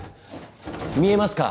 見えますか？